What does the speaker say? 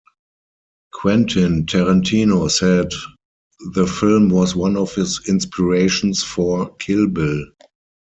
Quentin Tarantino said the film was one of his inspirations for "Kill Bill".